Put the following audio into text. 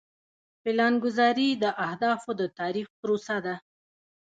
پلانګذاري د اهدافو د تعریف پروسه ده.